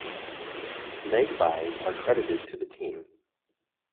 Leg byes are credited to the team.